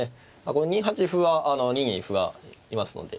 ２八歩は２二に歩がいますので。